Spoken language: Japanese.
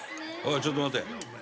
ちょっと待て。